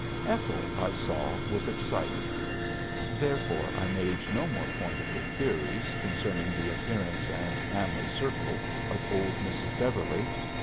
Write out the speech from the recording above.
'" "Ethel, I saw, was excited. Therefore I made no more point of her theories concerning the appearance and family circle of old Mrs. Beverly.